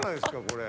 これ。